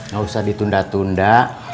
gak usah ditunda tunda